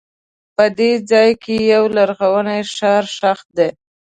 په دې ځای کې یو لرغونی ښار ښخ دی.